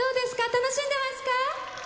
楽しんでますか？